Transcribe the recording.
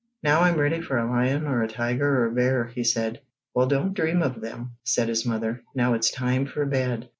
"Now I'm ready for a lion or a tiger or a bear," he said. "Well, don't dream of them," said his mother. "Now it's time for bed."